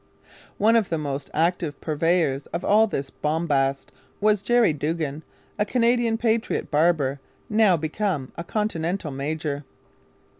One of the most active purveyors of all this bombast was Jerry Duggan, a Canadian 'patriot' barber now become a Continental major.